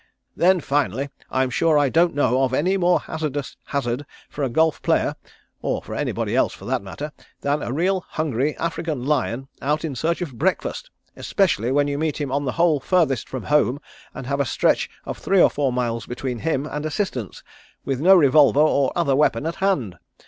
Then finally I'm sure I don't know of any more hazardous hazard for a golf player or for anybody else for that matter than a real hungry African lion out in search of breakfast, especially when you meet him on the hole furthest from home and have a stretch of three or four miles between him and assistance with no revolver or other weapon at hand.